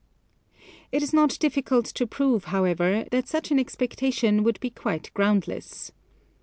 It is not difficult to prove, however, that such an expectation would be quite ground less.